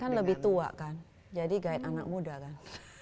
kan lebih tua kan jadi guide anak muda kan